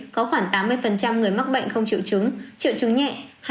có khoảng tám mươi người mắc bệnh không chịu chứng triệu chứng nhẹ